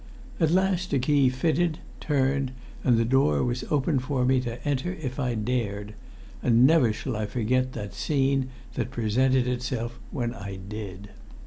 At last a key fitted, turned, and the door was open for me to enter if I dared; and never shall I forget the scene that presented itself when I did.